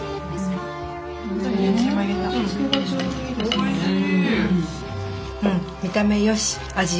おいしい！